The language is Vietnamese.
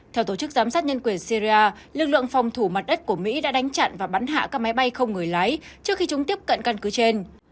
theo tổ chức giám sát nhân quyền syria lực lượng phòng thủ mặt đất của mỹ đã đánh chặn và bắn hạ các máy bay không người lái trước khi chúng tiếp cận căn cứ trên